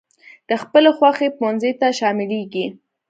د خپلې خوښي پونځي ته شاملېږي.